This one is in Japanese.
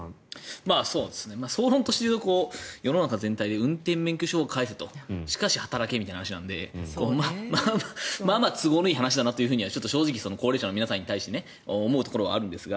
総論として世の中全体で運転免許証を返せとしかし働けみたいな話なので都合のいい話だなとは正直、高齢者の皆さんには思うことがあるんですが。